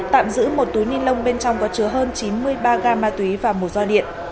tạm giữ một túi ni lông bên trong có chứa hơn chín mươi ba gam ma túy và một do điện